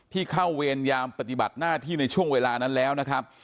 ที่เข้าเวรยามปฏิบัติหน้าที่ในช่วงเวลานั้นแล้วนะครับ